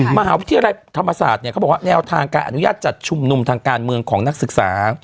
มหาวิทยาลัยธรรมศาสตร์เนี่ยเขาบอกว่าแนวทางการอนุญาตจัดชุมนุมทางการเมืองของนักศึกษา